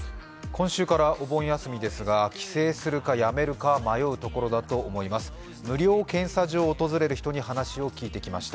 今週からお盆休みですが帰省するかやめるか迷うところだと思います。